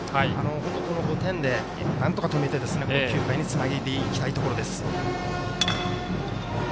本当にこの５点でなんとか止めて９回につなげていきたい。